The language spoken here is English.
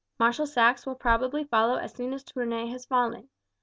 Marshal Saxe will probably follow as soon as Tournay has fallen.